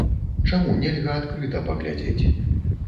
Чаму нельга адкрыта паглядзець?